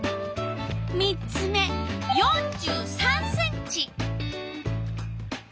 ３つ目４３ｃｍ。